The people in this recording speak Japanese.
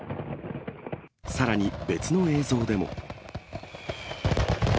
さらに別の映像でも。